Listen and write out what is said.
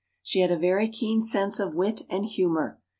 She had a very keen sense of wit and humour.